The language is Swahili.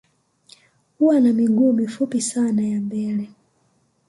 Huwa na miguu mifupi sana ya mbele